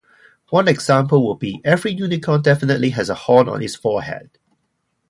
One example would be: "Every unicorn definitely has a horn on its forehead".